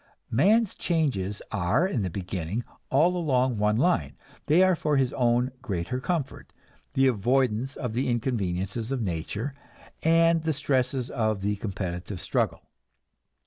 Man's changes are, in the beginning, all along one line; they are for his own greater comfort, the avoidance of the inconveniences of nature and the stresses of the competitive struggle.